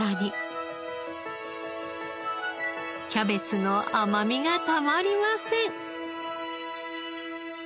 キャベツの甘みがたまりません！